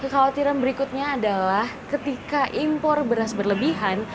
kekhawatiran berikutnya adalah ketika impor beras berlebihan